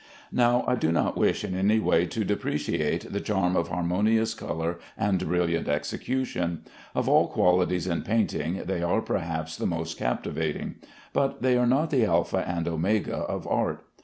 Now I do not wish in any way to depreciate the charm of harmonious color and brilliant execution. Of all qualities in painting they are, perhaps, the most captivating; but they are not the alpha and omega of art.